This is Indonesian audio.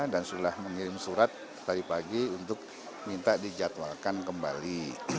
dan sudah mengirim surat tadi pagi untuk minta dijadwalkan kembali